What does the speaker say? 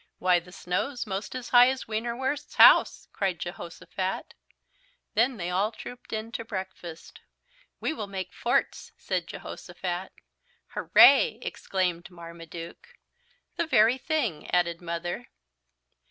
"Why the snow's most as high as Wienerwurst's house!" cried Jehosophat. Then they all trooped in to breakfast. "We will make forts," said Jehosophat. "Hooray!" exclaimed Marmaduke. "The very thing!" added Mother.